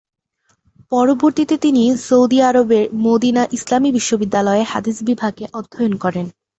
পরবর্তীতে তিনি সৌদি আরবের মদীনা ইসলামী বিশ্ববিদ্যালয়ে হাদিস বিভাগে অধ্যয়ন করেন।